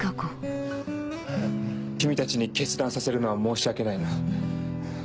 君たちに決断させるのは申し訳ないな。